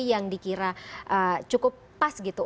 yang dikira cukup pas gitu